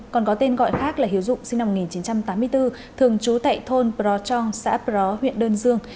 còn có tên gọi khác là hiếu dụng sinh năm một nghìn chín trăm tám mươi bốn thường trú tại thôn pro trong xã pro huyện đơn dương